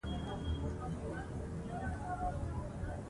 حیا به تللې شرم به هېر وي.